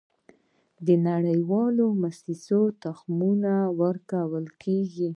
نړیوالې موسسې تخمونه ورکوي.